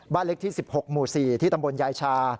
เล็กที่๑๖หมู่๔ที่ตำบลยายชา